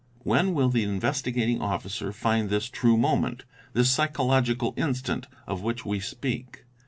When will the Investigating Officer find this true moment, this psychological instant, of which we speak